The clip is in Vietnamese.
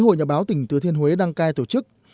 hội nhà báo tỉnh thừa thiên huế đăng cai tổ chức